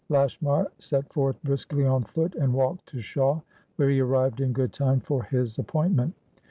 Lashmar set forth briskly on foot, and walked to Shawe, where he arrived in good time for his appointment.